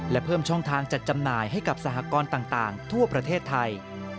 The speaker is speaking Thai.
และเพิ่มช่องทางจัดจำหน่ายให้กับสหกรต่างทั่วประเทศไทย